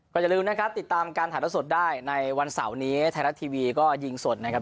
อย่าลืมนะครับติดตามการถ่ายละสดได้ในวันเสาร์นี้ไทยรัฐทีวีก็ยิงสดนะครับ